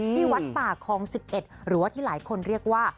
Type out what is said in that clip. ที่วัดป่าคอง๑๑หรือว่าที่หลายคนเรียกว่า